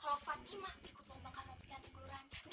kalau fatima ikut lomba kanopi yang di gulurannya